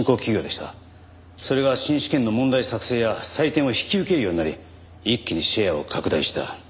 それが新試験の問題作成や採点を引き受けるようになり一気にシェアを拡大した。